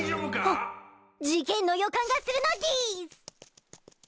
はっ事件の予感がするのでぃす！